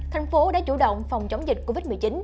thành phố đã chủ động phòng chống dịch covid một mươi chín